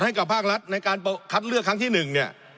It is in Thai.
ให้กับภาครัฐในการคัดเลือกครั้งที่๑เนี่ย